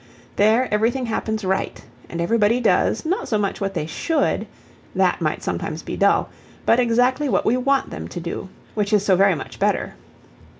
There everything happens right, and everybody does, not so much what they should (that might sometimes be dull), but exactly what we want them to do which is so very much better.